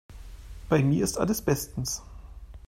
Bei mir ist alles bestens.